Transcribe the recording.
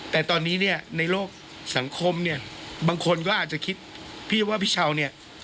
แต่ตอนนี้เนี่ยในโลกสังคมเนี่ยบางคนก็อาจจะคิดพี่ว่าพี่เช้าเนี่ย